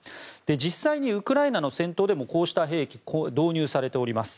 実際にウクライナの戦闘でもこうした兵器が導入されております。